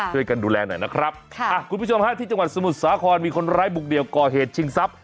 ช่วยกันดูแลหน่อยนะครับค่ะคุณผู้ชมฮะที่จังหวัดสมุทรสาครมีคนร้ายบุกเดี่ยวก่อเหตุชิงทรัพย